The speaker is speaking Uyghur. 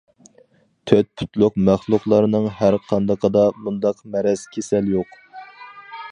تۆت پۇتلۇق مەخلۇقلارنىڭ ھەر قاندىقىدا مۇنداق مەرەز كېسەل يوق.